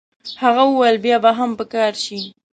هغه وویل بیا به هم په کار شي.